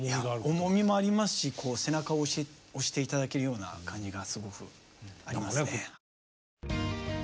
重みもありますし背中を押して頂けるような感じがすごくありますね。